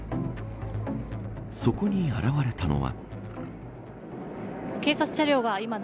そこに現れたのは。